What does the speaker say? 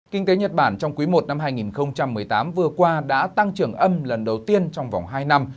kinh tế nhật bản trong quý i năm hai nghìn một mươi tám vừa qua đã tăng trưởng âm lần đầu tiên trong vòng hai năm